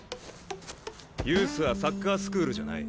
ユースはサッカースクールじゃない。